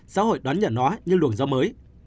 xã hội đón nhận nó như luồng do mới